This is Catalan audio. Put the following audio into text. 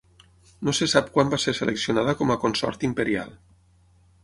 No se sap quan va ser seleccionada com a consort imperial.